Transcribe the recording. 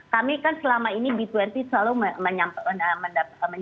kami kan selama ini b dua puluh selalu menyampaikan